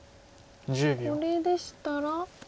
これでしたら？